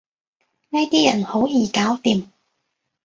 呢啲人好易搞掂